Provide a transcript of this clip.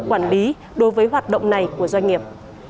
quản lý đối với hoạt động này của doanh nghiệp